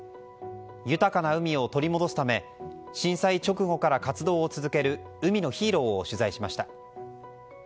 豊かな海を取り戻すため震災直後から活動を続ける海のヒーローを取材しました。